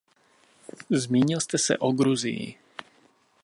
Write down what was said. Zmínil jste se o Gruzii.